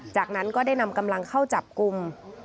จากนั้นก็ได้นำกำลังเข้าจับกลุ่ม